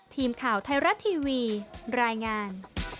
ทีมข่าวไทยรัฐทีวีรายงาน